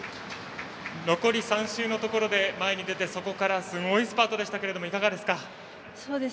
残り３周で前に出てそこからすごいスパートでしたがいかがですか？